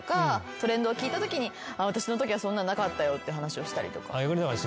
トレンドを聞いたときに「私のときはそんなのなかったよ」って話をしたりとか。